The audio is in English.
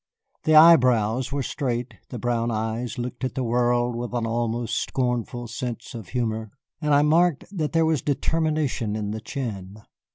The eyebrows were straight, the brown eyes looked at the world with an almost scornful sense of humor, and I marked that there was determination in the chin.